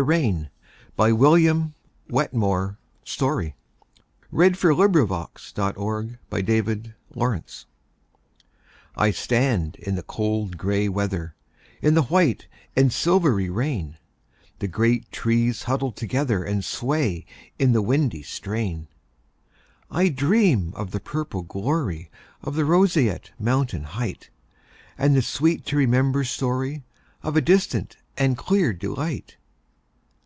1912. William Wetmore Story 1819–1895 William Wetmore Story 123 In the Rain I STAND in the cold gray weather, In the white and silvery rain; The great trees huddle together, And sway with the windy strain.I dream of the purple gloryOf the roseate mountain heightAnd the sweet to remember storyOf a distant and clear delight.